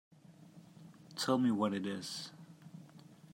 Tell me what it is.